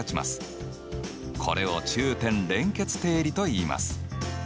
これを中点連結定理といいます。